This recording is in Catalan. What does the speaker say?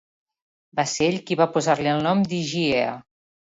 Va ser ell qui va posar-li el nom d'Higiea?